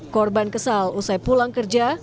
korban kesal usai pulang kerja